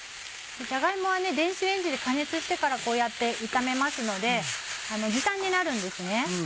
じゃが芋は電子レンジで加熱してからこうやって炒めますので時短になるんですね。